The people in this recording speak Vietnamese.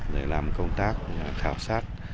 để làm công tác khảo sát